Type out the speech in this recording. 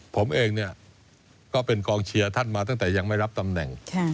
ผมเองเนี่ยก็เป็นกองเชียร์ท่านมาตั้งแต่ยังไม่รับตำแหน่ง